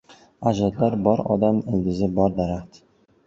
• Ajdodlari bor odam — ildizi bor daraxt.